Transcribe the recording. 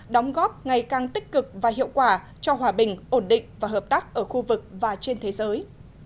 đóng góp ngày càng tích cực và hiệu quả cho hòa bình ổn định và hợp tác ở khu vực và trên thế giới